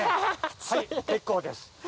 はい結構です。